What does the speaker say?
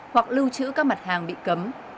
hoặc lưu trữ các mặt hàng bị cấm